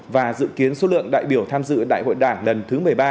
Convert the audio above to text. và dự kiến số lượng đại biểu tham dự đại hội đảng lần thứ một mươi ba